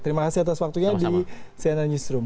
terima kasih atas waktunya di cnn newsroom